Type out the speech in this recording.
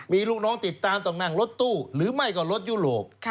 มีลูกน้องติดตามต้องนั่งรถตู้หรือไม่ก็รถยุโรป